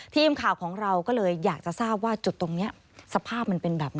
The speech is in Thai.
ทีมข่าวของเราก็เลยอยากจะทราบว่าจุดตรงนี้สภาพมันเป็นแบบไหน